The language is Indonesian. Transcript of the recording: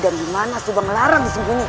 dan di mana subang larang disembunyikan